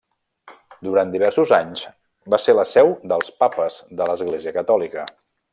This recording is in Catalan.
Durant diversos anys va ser la seu dels papes de l'Església Catòlica.